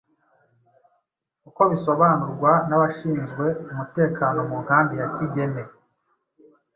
uko bisobanurwa n’abashinzwe umutekano mu nkambi ya Kigeme